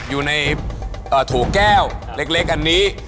อยู่ในถุงแก้วเล็กอันนี้